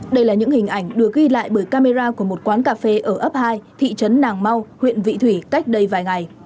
đây là những hình ảnh được ghi lại bởi camera của một quán cà phê ở ấp hai thị trấn nàng mau huyện vị thủy cách đây vài ngày